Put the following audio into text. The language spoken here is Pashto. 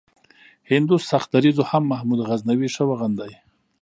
هندو سخت دریځو هم محمود غزنوي ښه وغنده.